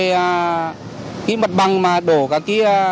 cái mặt bằng mà đổ cả cái